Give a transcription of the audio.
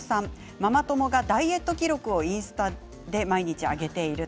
ママ友がダイエット記録をインスタで毎日、上げています。